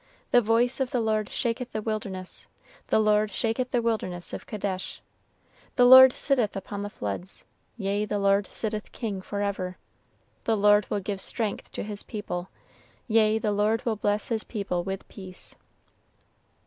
The voice of the Lord shaketh the wilderness; the Lord shaketh the wilderness of Kadesh. The Lord sitteth upon the floods, yea, the Lord sitteth King forever. The Lord will give strength to his people; yea, the Lord will bless his people with peace."